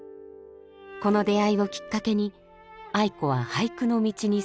この出会いをきっかけに愛子は俳句の道に進みます。